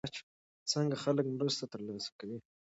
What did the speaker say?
څنګه خلک مرسته ترلاسه کوي؟